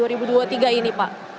dua ribu dua puluh tiga ini pak